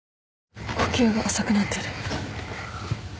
呼吸が浅くなってる。